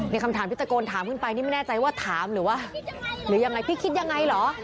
คำถามที่ตะโกนถามขึ้นไปนี่ไม่แน่ใจว่าถามหรือว่าหรือยังไงพี่คิดยังไงเหรอ